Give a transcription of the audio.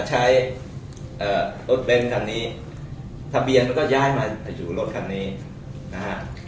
ใช้เอ่อรถเบนคันนี้ทะเบียนแล้วก็ย่ายมาอยู่รถคันนี้อ่าฮะ